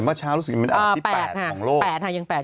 อ่าแปดฮะยังแปดอยู่ค่ะ